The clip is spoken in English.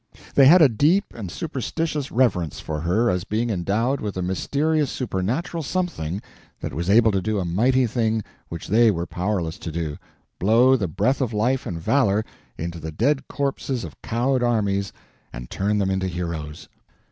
They had a deep and superstitious reverence for her as being endowed with a mysterious supernatural something that was able to do a mighty thing which they were powerless to do—blow the breath of life and valor into the dead corpses of cowed armies and turn them into heroes.